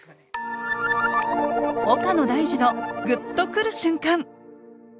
岡野大嗣の「グッとくる瞬間」